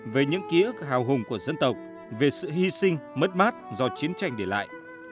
về những ký ức hào hùng của dân tộc về sự hy sinh mất mát do chiến tranh để lại